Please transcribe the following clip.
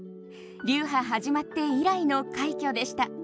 流派始まって以来の快挙でした。